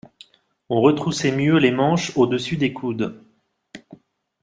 On retroussait mieux les manches au-dessus des coudes.